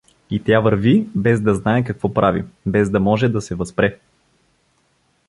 И тя върви, без да знае какво прави, без да може да се възпре.